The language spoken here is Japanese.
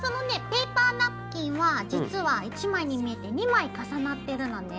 ペーパーナプキンは実は１枚に見えて２枚重なってるのね。